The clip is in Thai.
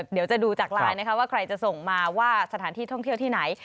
เดี๋ยวจะดูจากไลน์นะคะว่าใครจะส่งมาว่าสถานที่ท่องเที่ยวที่ไหน